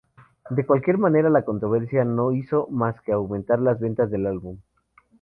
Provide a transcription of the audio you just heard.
De cualquier manera, la controversia no hizo más que aumentar las ventas del álbum.